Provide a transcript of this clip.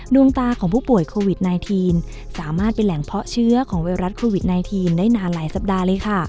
ดวงตาของผู้ป่วยโควิด๑๙สามารถเป็นแหล่งเพาะเชื้อของไวรัสโควิด๑๙ได้นานหลายสัปดาห์เลยค่ะ